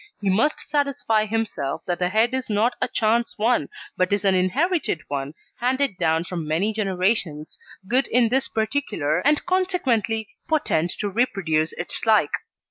He must satisfy himself that the head is not a chance one, but is an inherited one, handed down from many generations, good in this particular, and consequently potent to reproduce its like.